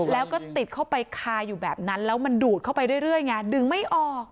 แล้วก็ติดเข้าไปคาอยู่แบบนั้นแล้วมันดูดเข้าไปเรื่อยไงดึงไม่ออก